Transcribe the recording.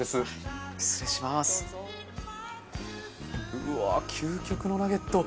うわ究極のナゲット。